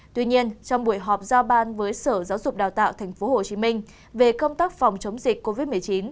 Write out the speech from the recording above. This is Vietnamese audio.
tuy nhiên trong buổi họp giao ban với sở giáo dục đào tạo tp hcm về công tác phòng chống dịch covid một mươi chín